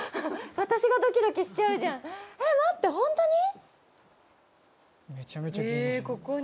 私がドキドキしちゃうじゃんえっ待ってホントに！？